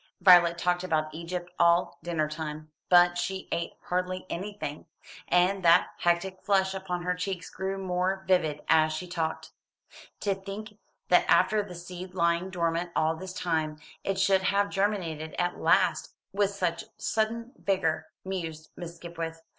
Violet talked about Egypt all dinner time, but she ate hardly anything, and that hectic flush upon her cheeks grew more vivid as she talked. "To think that after the seed lying dormant all this time, it should have germinated at last with such sudden vigour," mused Miss Skipwith.